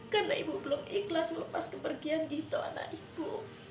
karena ibu belum ikhlas melepas kepergian gitu anak ibu